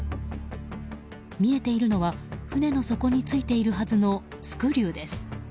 見えているのは船の底についているはずのスクリューです。